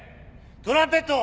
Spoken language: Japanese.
トランペット！